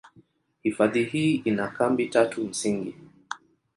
Hifadhi hii ina kambi tatu msingi.